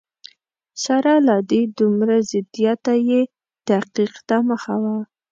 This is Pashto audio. سره له دې دومره ضدیته یې تحقیق ته مخه وه.